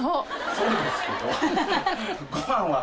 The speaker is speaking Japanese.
そうですけど。